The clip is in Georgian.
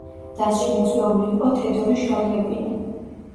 დასში მიწვეული იყო თედორე შალიაპინი.